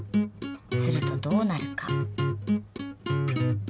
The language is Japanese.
するとどうなるか？